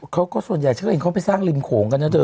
เขาก็ส่วนใหญ่เข้าไปสร้างริมโของนะเธอ